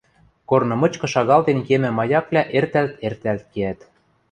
Корны мычкы шагалтен кемӹ маяквлӓ эртӓлт-эртӓлт кеӓт